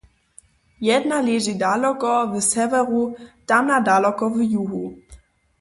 Jedna leži daloko w sewjeru, tamna daloko w juhu.